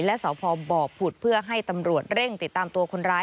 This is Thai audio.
และสพบผุดเพื่อให้ตำรวจเร่งติดตามตัวคนร้าย